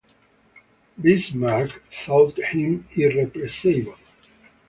Bismarck thought him irreplaceable.